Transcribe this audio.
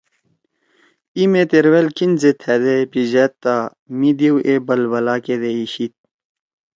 ای مے تروأل کِھین زید تھأدے پیِژاد تا می دیو اے بلبلا کیدے اِیشید۔